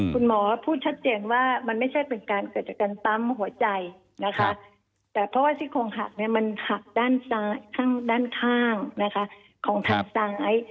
ก็พูดชัดเจนว่ามันไม่ใช่เป็นการเกิดจัดการปั๊มหัวใจแต่เพราะว่าที่คงหักมันหักด้านข้างของทางซ้าย